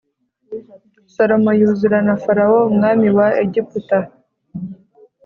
Salomo yuzura na Farawo umwami wa Egiputa